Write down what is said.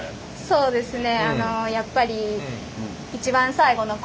そうですね。